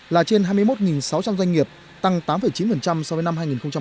là trên hai mươi một sáu trăm linh doanh nghiệp tăng tám chín so với năm hai nghìn một mươi tám